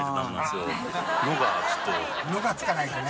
「の」が付かないとね。